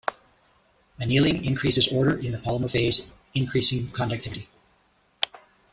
Annealing increases order in the polymer phase, increasing conductivity.